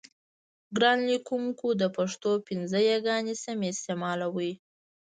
ګرانو لیکوونکو د پښتو پنځه یاګانې سمې استعمالوئ.